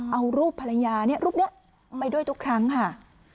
เอารูปภรรยาเนี่ยรูปนี้ไปด้วยทุกครั้งค่ะ